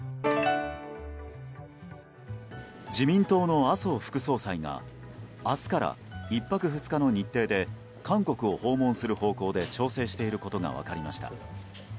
自民党の麻生副総裁が明日から１泊２日の日程で韓国を訪問する方向で調整していることが分かりました。